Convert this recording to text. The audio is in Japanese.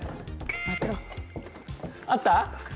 待ってろあった？